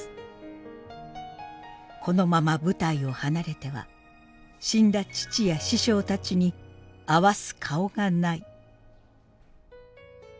「このまま舞台を離れては死んだ父や師匠たちにあわす顔がない」。